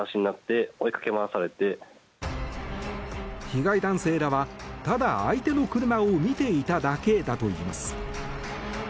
被害男性らは、ただ相手の車を見ていただけだといいます。